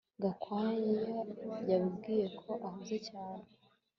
Gakwaya yambwiye ko ahuze cyane